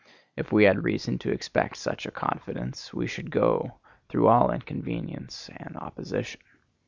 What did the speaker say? If we had reason to expect such a confidence we should go through all inconvenience and opposition.